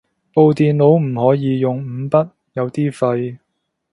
部電腦唔可以用五筆，有啲廢